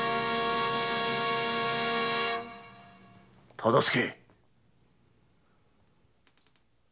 忠相！